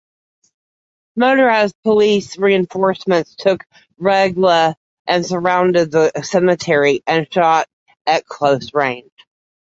Motorized police reinforcements took Regla and surrounded the cemetery and shot at close range.